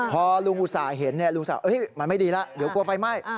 พอลุงอุตส่าห์เห็นลุงสาวมันไม่ดีแล้วเดี๋ยวกลัวไฟไหม้